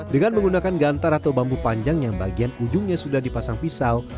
dengan menggunakan gantar atau bambu panjang yang bagian ujungnya sudah dipasang pisau